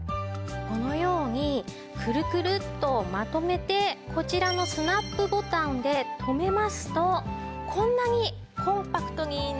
このようにくるくるっとまとめてこちらのスナップボタンで留めますとこんなにコンパクトになるんです。